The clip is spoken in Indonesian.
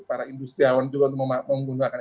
para industriawan juga untuk menggunakan